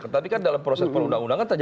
tapi kan dalam proses perundang undangan